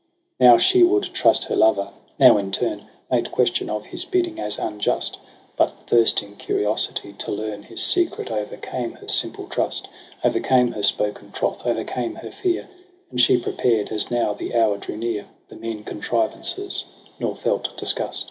14 Now she would trust her lover, now in turn Made question of his bidding as unjust j But thirsting curiosity to learn His secret overcame her simple trust, O'ercame her spoken troth, overcame her fear ; And she prepared, as now the hour drew near, The mean contrivances, nor felt disgust.